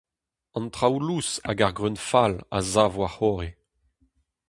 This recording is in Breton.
An traoù lous hag ar greun fall a sav war-c'horre.